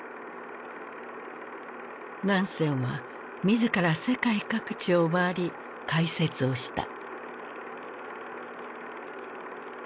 ナンセンは自ら世界各地を回り解説をした。